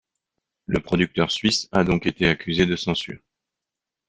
Le producteur Suisse a donc été accusé de censure.